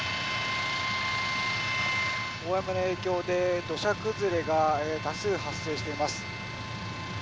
大雨の影響で土砂崩れが多数発生しています。